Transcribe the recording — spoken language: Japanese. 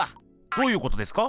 どういうことですか？